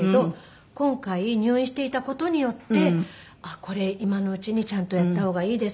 今回入院していた事によって「これ今のうちにちゃんとやった方がいいです」